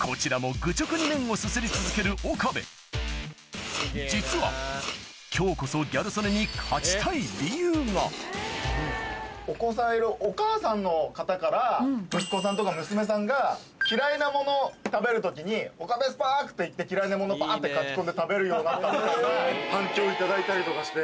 こちらも愚直に麺をすすり続ける岡部実は今日こそギャル曽根に息子さんとか娘さんが嫌いなもの食べる時に「岡部スパーク‼」って言って嫌いなものバってかき込んで食べるようになったとか反響いただいたりとかして。